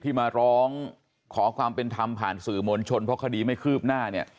มาร้องขอความเป็นธรรมผ่านสื่อมวลชนเพราะคดีไม่คืบหน้าเนี่ย